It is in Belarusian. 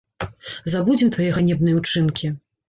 Забудзем твае ганебныя ўчынкі!